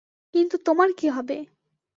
কিন্তু তোমার কি হবে?